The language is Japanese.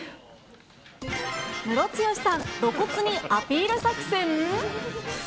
ムロツヨシさん、露骨にアピール作戦？